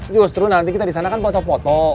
justru nanti kita disana kan foto foto